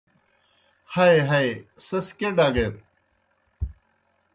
ہئی ہئی سیْس کیْہ ڈگیت۔